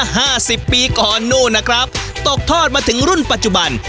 ห้าสิบปีก่อนนู่นนะครับตกทอดมาถึงรุ่นปัจจุบัน